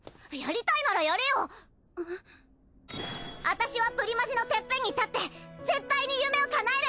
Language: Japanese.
私はプリマジのてっぺんに立って絶対に夢をかなえる！